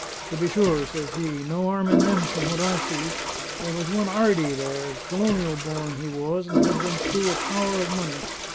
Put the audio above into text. "To be sure," says he: "no 'arm in them from what I see. There was one 'Ardy there: colonial born he was, and had been through a power of money.